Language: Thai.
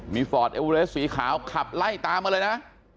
มีฟอร์ดเอวูเรสสีขาวขับไล่ตามมาเลยนะ